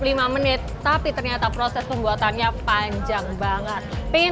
lima menit tapi ternyata proses pembuatannya panjang banget pengen